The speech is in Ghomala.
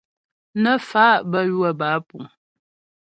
Nə́ fa' bə́ ywə̌ bə́ á púŋ.